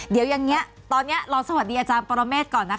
เดี๋ยวยังไงตอนนี้ลองสวัสดีอาจารย์กรเมฆก่อนนะคะ